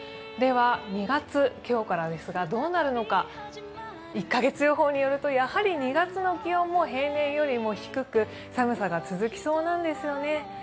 では２月、今日からですがどうなるのか１カ月予報によると、やはり２月の気温も平年より低く寒さが続きそうなんですよね。